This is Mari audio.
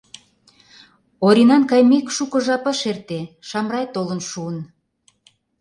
Оринан кайымек, шуко жап ыш эрте, Шамрай толын шуын.